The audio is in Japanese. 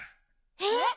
えっ？